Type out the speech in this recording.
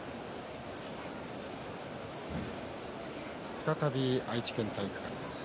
再び愛知県体育館です。